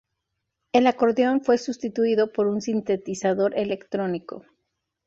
El acordeón fue sustituido por un sintetizador electrónico.